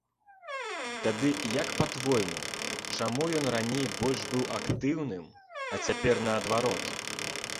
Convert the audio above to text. Тады як, па-твойму, чаму ён раней больш быў актыўным, а цяпер наадварот?